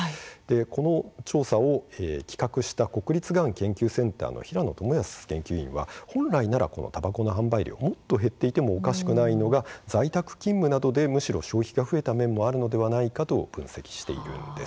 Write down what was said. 今回の調査を企画した国立がん研究センターの平野公康研究員は本来ならもっと販売量が減っていてもいいのに在宅勤務などでむしろ消費が増えた部分もあるのではないかと分析しているんです。